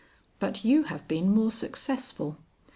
But you have been more successful."